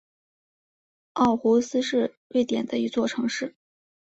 奥胡斯是瑞典的一座城市。